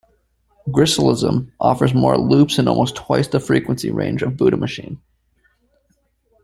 Gristleism offers more loops and almost twice the frequency range of the Buddha Machine.